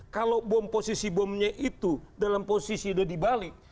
kalau bom posisi bomnya itu dalam posisi sudah dibalik